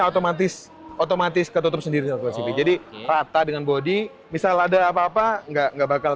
otomatis otomatis ketutup sendiri jadi rata dengan body misal ada apa apa nggak nggak bakal